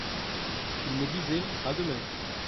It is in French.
Il me disait : "A demain !"